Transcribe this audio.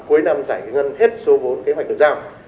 cuối năm giải ngân hết số vốn kế hoạch được giao